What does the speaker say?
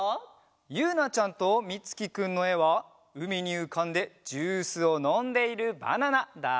ゆうなちゃんとみつきくんのえはうみにうかんでジュースをのんでいるバナナだそうです。